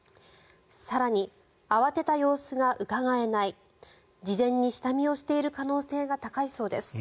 更に慌てた様子がうかがえない事前に下見をしている可能性が高いそうです。